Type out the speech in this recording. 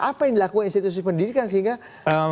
apa yang dilakukan institusi pendidikan sehingga sampai sekarang